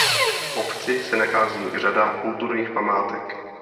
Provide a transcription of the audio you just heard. V obci se nachází řada kulturních památek.